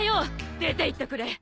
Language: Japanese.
出ていっとくれ！